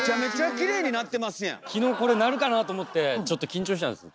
昨日これ鳴るかなあと思ってちょっと緊張してたんです。